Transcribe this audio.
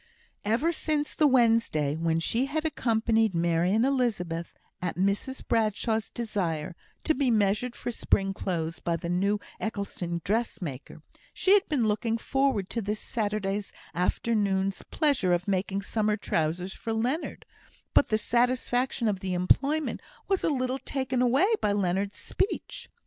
Ever since the Wednesday when she had accompanied Mary and Elizabeth, at Mrs Bradshaw's desire, to be measured for spring clothes by the new Eccleston dressmaker, she had been looking forward to this Saturday afternoon's pleasure of making summer trousers for Leonard; but the satisfaction of the employment was a little taken away by Leonard's speech.